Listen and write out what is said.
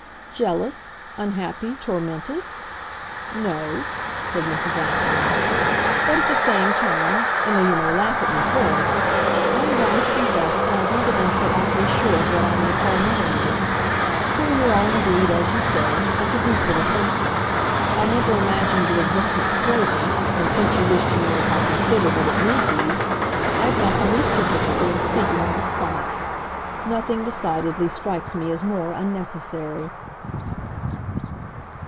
"Jealous, unhappy, tormented ? No," said Mrs. Assingham; "but at the same time and though you may laugh at me for it! I'm bound to confess that I've never been so awfully sure of what I may call knowing you. Here you are indeed, as you say such a deep little person! I've never imagined your existence poisoned, and, since you wish to know if I consider that it need be, I've not the least difficulty in speaking on the spot. Nothing, decidedly, strikes me as more unnecessary."